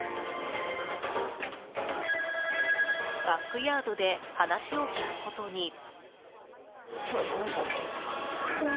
バックヤードで話を聞くことに。